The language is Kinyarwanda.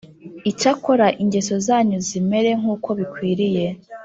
Icyakora ingeso zanyu zimere nk uko bikwiriye